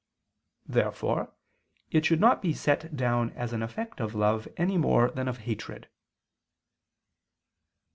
Therefore it should not be set down as an effect of love any more than of hatred.